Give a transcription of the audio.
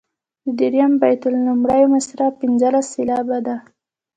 د دریم بیت لومړۍ مصرع پنځلس سېلابه ده.